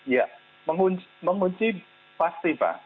ya mengunci pasti pak